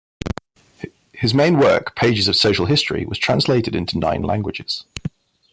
His main work, "Pages of Social History", was translated into nine languages.